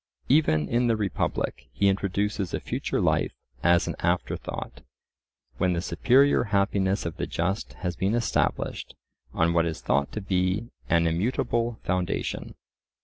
Even in the Republic he introduces a future life as an afterthought, when the superior happiness of the just has been established on what is thought to be an immutable foundation.